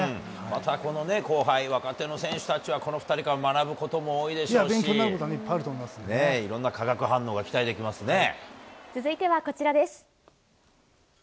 またこの後輩、若手の選手たちは、この２人から学ぶことも多勉強になることはいっぱいあいろんな化学反応が期待でき続いてはこちらです。